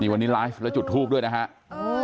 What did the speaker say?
วันนี้ไลฟ์แล้วจุดทูปด้วยนะครับ